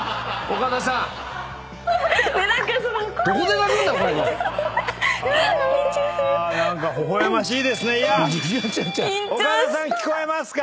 岡田さん聞こえますか？